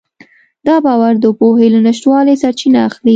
دا باور د پوهې له نشتوالي سرچینه اخلي.